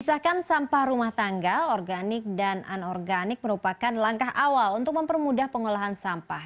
disahkan sampah rumah tangga organik dan anorganik merupakan langkah awal untuk mempermudah pengolahan sampah